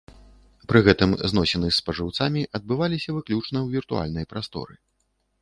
Пры гэтым зносіны з спажыўцамі адбывалася выключна ў віртуальнай прасторы.